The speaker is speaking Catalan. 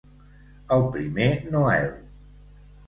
El primer Noel.